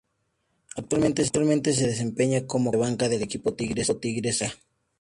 Actualmente se desempeña como "coach" de banca del equipo Tigres de Aragua.